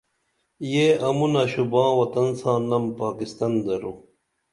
یہ امُنہ شوباں وطن ساں نم بہ پاکستان در